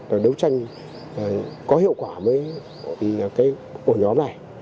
để đấu tranh có hiệu quả với cái ổ nhóm này